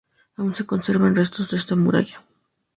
Aún se conservan restos de esa muralla.